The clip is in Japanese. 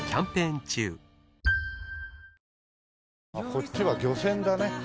こっちは漁船だね。